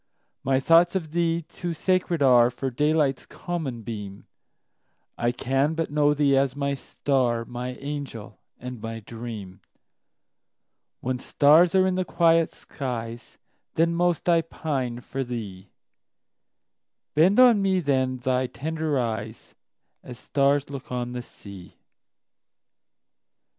My thoughts of thee too sacred areFor daylight's common beam:I can but know thee as my star, My angel and my dream; When stars are in the quiet skies, Then most I pine for thee; Bend on me then thy tender eyes, As stars look on the sea!